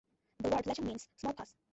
The word "Lachung" means "small pass".